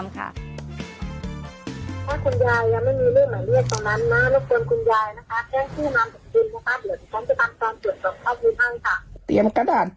มาติดตามะครับ